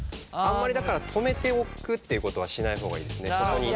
あんまりだから止めておくっていうことはしない方がいいですね。